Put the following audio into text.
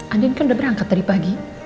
andin kan udah berangkat tadi pagi